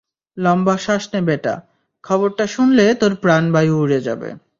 লম্বা শ্বাস নে বেটা, খবরটা শুনলে তোর প্রাণ বায়ু উড়ে যাবে!